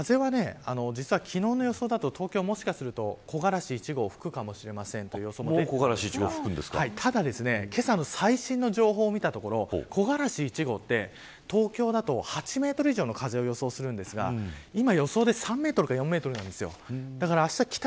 風は昨日の予想だと東京もしかすると木枯らし１号が吹くかもしれませんとお伝えしましたがただ、けさの最新の情報を見たところ、木枯らし１号は東京だと８メートル以上の風を予想するんですが今、予想で３メートルか４メートルなんです。